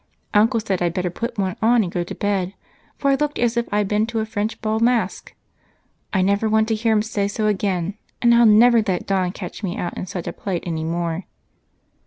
Uncle said I'd better put one on and go to bed, for I looked as though I'd been to a French bal masque. I never want to hear him say so again, and I'll never let dawn catch me out in such a plight anymore."